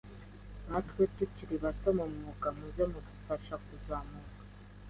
natwe tukiri bato mumwuga muze mudufasha kuzamuka.